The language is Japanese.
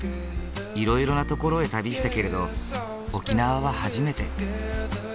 いろいろな所へ旅したけれど沖縄は初めて。